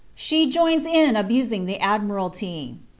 She joins in abusing the Admiralty.